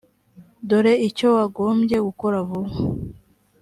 dore icyo wagombye gukora vuba